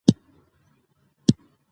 هغه له دوزخ او برزخ دواړو راوتی دی.